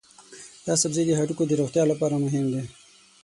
دا سبزی د هډوکو د روغتیا لپاره مهم دی.